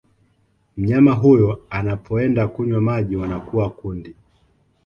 Mnyama huyo anapoenda kunywa maji wanakuwa kundi